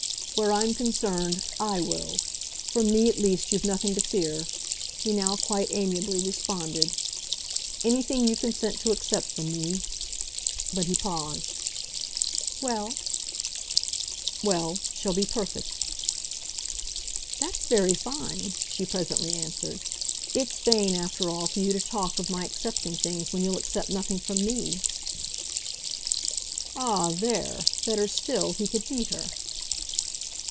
"Where I'm concerned I will. From me at least you've nothing to fear," he now quite amiably responded. "Anything you consent to accept from me " But he paused. "Well?" "Well, shall be perfect." "That's very fine," she presently answered. "It's vain, after all, for you to talk of my accepting things when you'll accept nothing from me." Ah, THERE, better still, he could meet her.